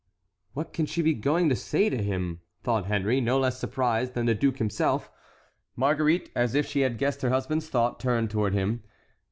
"What can she be going to say to him?" thought Henry, no less surprised than the duke himself. Marguerite, as if she had guessed her husband's thought, turned toward him.